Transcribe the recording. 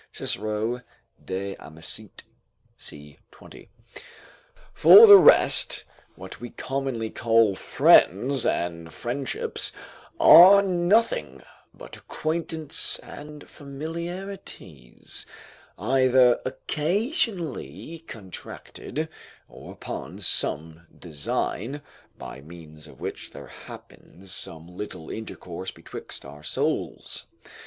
Cicero, De Amicit., c. 20.] For the rest, what we commonly call friends and friendships, are nothing but acquaintance and familiarities, either occasionally contracted, or upon some design, by means of which there happens some little intercourse betwixt our souls.